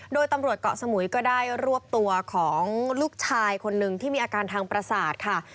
โดยตำรวจเกาะสมุยก็ได้รวบตัวของลูกชายคนหนึ่งที่มีอาการทางประสาทค่ะ